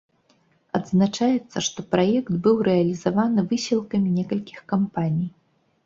Адзначаецца, што праект быў рэалізаваны высілкамі некалькіх кампаній.